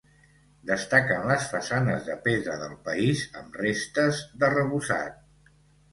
Destaquen les façanes de pedra del país amb restes d'arrebossat.